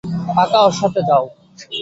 পাকা, ওর সাথে যাও।